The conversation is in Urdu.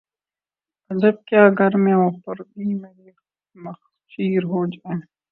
عجب کیا گر مہ و پرویں مرے نخچیر ہو جائیں